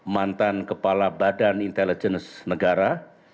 mantan kepala badan intelijenus negara